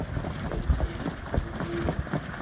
Er hinterließ einen Bruder.